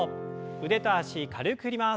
腕と脚軽く振ります。